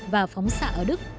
và phóng xạ ở đức